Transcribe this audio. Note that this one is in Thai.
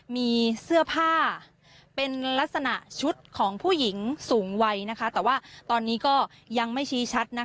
มีเสื้อผ้าเป็นลักษณะชุดของผู้หญิงสูงวัยนะคะแต่ว่าตอนนี้ก็ยังไม่ชี้ชัดนะคะ